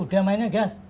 udah mainnya gas